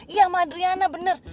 iya sama adriana bener